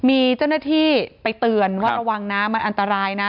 มีเจ้าหน้าที่ไปเตือนว่าระวังนะมันอันตรายนะ